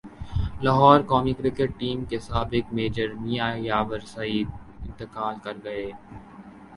لاہورقومی cricket team کے سابق manager Mian یاور سعید انتقال کرگئے